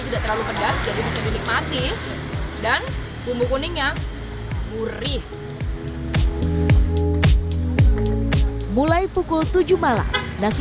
tidak terlalu pedas jadi bisa dinikmati dan bumbu kuningnya gurih mulai pukul tujuh malam nasi